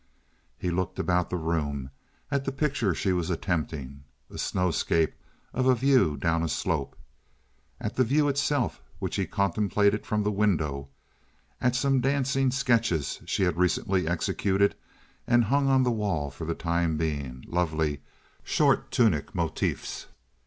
He looked about the room, at the picture she was attempting (a snow scape, of a view down a slope), at the view itself which he contemplated from the window, at some dancing sketches she had recently executed and hung on the wall for the time being—lovely, short tunic motives.